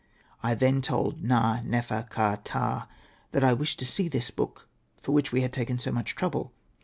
" I then told Na.nefer.ka.ptah that I wished to see this book, for which we had taken so much trouble.